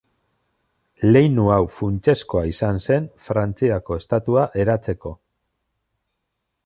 Leinu hau funtsezkoa izan zen Frantziako Estatua eratzeko.